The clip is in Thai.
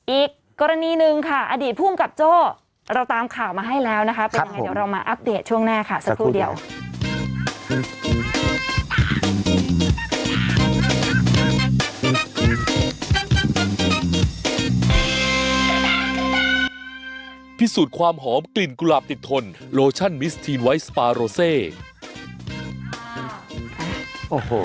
อีกกรณีหนึ่งค่ะอดีตภูมิกับโจ้เราตามข่าวมาให้แล้วนะคะเป็นยังไงเดี๋ยวเรามาอัปเดตช่วงหน้าค่ะสักครู่เดียว